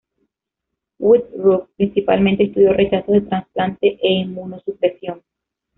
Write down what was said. Woodruff principalmente estudió rechazos de trasplantes e inmunosupresión.